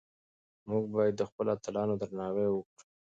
موږ باید د خپلو اتلانو درناوی وکړو.